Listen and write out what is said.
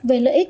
về lợi ích